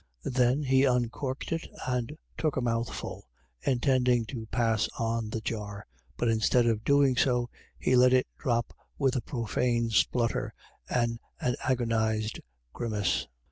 Then he uncorked it and took a mouthful, intending to pass on the jar, but instead of doing so, he let it drop with a profane splutter and an agonised grimace.